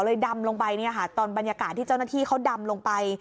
เลยดำลงไปตอนบรรยากาศที่เจ้าหน้าที่เขาดำลงไป